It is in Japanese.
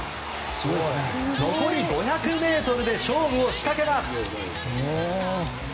残り５００ｍで勝負を仕掛けます。